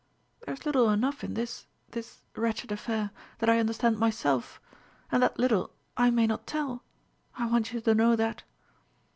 "There is little enough in this this wretched affair, that I understand myself; and that little, I may not tell ... I want you to know that."